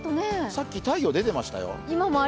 さっき太陽出てましたよ。